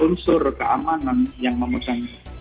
unsur keamanan yang memudang